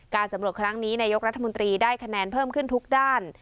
สำรวจครั้งนี้นายกรัฐมนตรีได้คะแนนเพิ่มขึ้นทุกด้าน